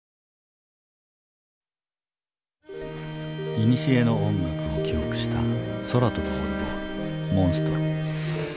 いにしえの音楽を記憶した空飛ぶオルゴール「モンストロ」。